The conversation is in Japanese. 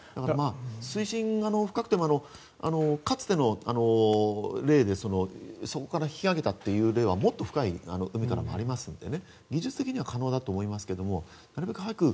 水深が深くても、かつての例でそこから引き揚げた例はもっと深い海からもありますので技術的には可能だと思いますがなるべく早く。